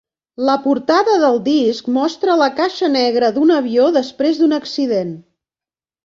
La portada del disc mostra la caixa negra d'un avió després d'un accident.